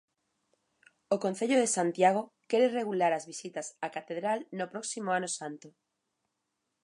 O Concello de Santiago quere regular as visitas á catedral no próximo ano santo.